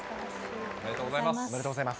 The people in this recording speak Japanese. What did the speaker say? おめでとうございます。